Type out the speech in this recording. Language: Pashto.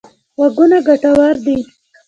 غوږونه ګټور دي.